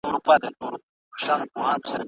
د خالق تعالی په نافرمانۍ کي د مخلوق پيروي ناروا ده.